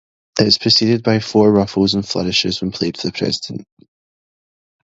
It is preceded by four ruffles and flourishes when played for the President.